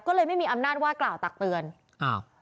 ก็เลยไม่มีอำนาจว่ากล่าวตักเตือนอ้าว